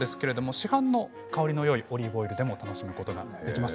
市販の香りのよいオリーブオイルでも楽しむことができます。